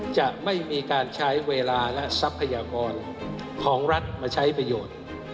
จะไม่มีการใช้เวลาและทรัพยากรของรัฐมาใช้ประโยชน์